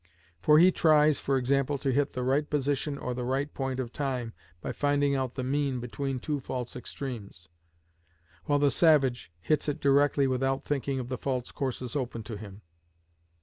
For he tries, for example, to hit the right position or the right point of time, by finding out the mean between two false extremes; while the savage hits it directly without thinking of the false courses open to him.